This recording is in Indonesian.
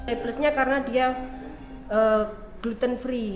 kepresnya karena dia gluten free